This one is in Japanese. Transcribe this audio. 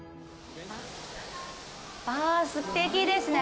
わあ、すてきですね。